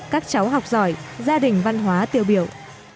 các cháu học giỏi gia đình văn hóa tiêu biểu